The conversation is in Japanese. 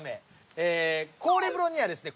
ええ氷風呂にはですね